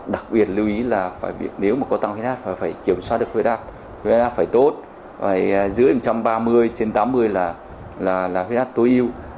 đặc biệt lưu ý là nếu mà có tăng huyết áp phải kiểm soát được huyết áp huyết áp phải tốt phải giữ một trăm ba mươi trên tám mươi là huyết áp tối ưu